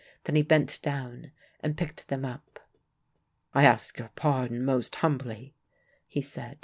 Then he bent down and picked them up. "I ask your pardon most humbly," he said.